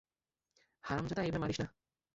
হারামজাদা, এভাবে মারিস না!